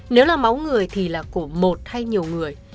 nếu là máu người thì là của một hay nhiều người